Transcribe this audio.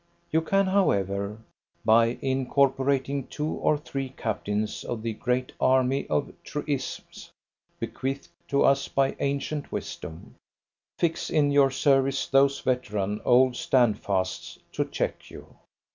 You can, however, by incorporating two or three captains of the great army of truisms bequeathed to us by ancient wisdom, fix in your service those veteran old standfasts to check you.